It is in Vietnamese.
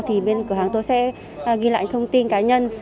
thì bên cửa hàng tôi sẽ ghi lại thông tin cá nhân